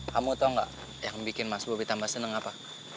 kamu tau gak yang bikin mas bobi tambah senang apa